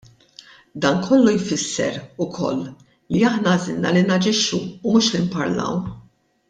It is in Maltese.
Dan kollu jfisser ukoll li aħna għażilna li naġixxu u mhux li nparlaw.